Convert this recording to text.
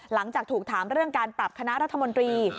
หลังจากถูกถามเรื่องการปรับคณะรัฐมนตรี